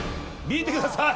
見てください